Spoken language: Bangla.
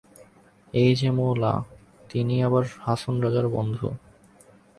এই যে 'মৌলা' তিনিই আবার হাছন রাজার বন্ধু।